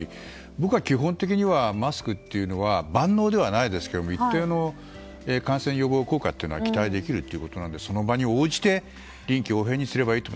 外だと人との間隔があればマスク必要ないのかもしれませんし僕は基本的にはマスクというのは万能ではないですけれども一定の感染予防効果は期待できるということなのでその場に応じて臨機応変にすればいいと。